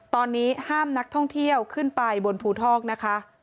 ตอนนี้ห้ามนักท่องเที่ยวขึ้นไปบนภูทอกนะคะ